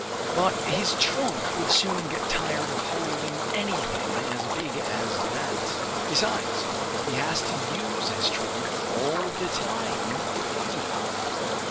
But his trunk would soon get tired of holding anything as big as that! Besides, he has to use his trunk all the time to feed!